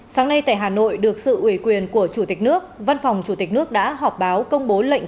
sáng nay tại hà nội được sự ủy quyền của chủ tịch nước văn phòng chủ tịch nước đã họp báo công bố lệnh